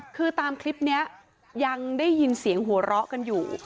คือตามคลิปนี้ยังได้ยินเสียงหัวเราะกันอยู่